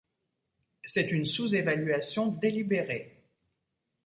C'est une sous-évaluation délibérée.